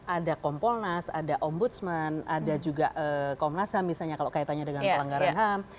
ada kompolnas ada ombudsman ada juga komnas ham misalnya kalau kaitannya dengan pelanggaran ham